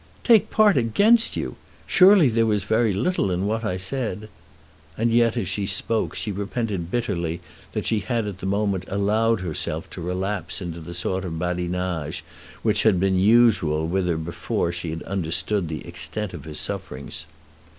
"Take part against you! Surely there was very little in what I said." And yet, as she spoke, she repented bitterly that she had at the moment allowed herself to relapse into the sort of badinage which had been usual with her before she had understood the extent of his sufferings.